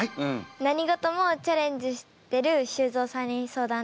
何事もチャレンジしてる修造さんに相談です。